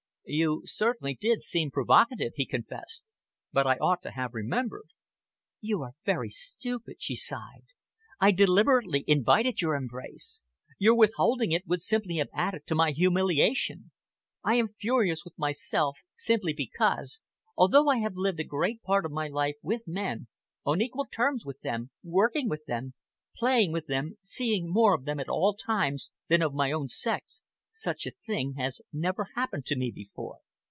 "You certainly did seem provocative," he confessed, "but I ought to have remembered." "You are very stupid," she sighed. "I deliberately invited your embrace. Your withholding it would simply have added to my humiliation. I am furious with myself, simply because, although I have lived a great part of my life with men, on equal terms with them, working with them, playing with them, seeing more of them at all times than of my own sex, such a thing has never happened to me before."